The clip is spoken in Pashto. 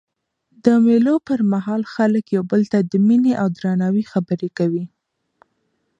د مېلو پر مهال خلک یو بل ته د میني او درناوي خبري کوي.